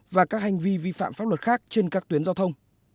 và các hành vi vi phạm pháp luật khác trên các tuyến giao thông